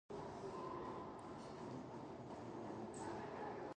They had four sons and four daughters.